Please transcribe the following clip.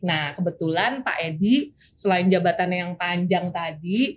nah kebetulan pak edi selain jabatan yang panjang tadi